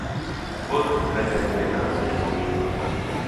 Потым гэтая намінацыя знікла.